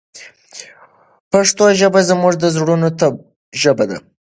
پښتو ژبه زموږ د زړونو ژبه ده.